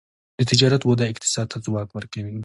د تجارت وده اقتصاد ته ځواک ورکوي.